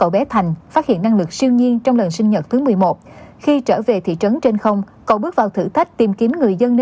ba bản thảo đã hoàn thiện chờ xuất bản